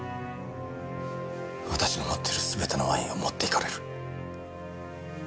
私の持っているすべてのワインを持っていかれる。